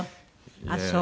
ああそう。